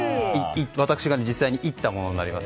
私が実際に煎ったものになります。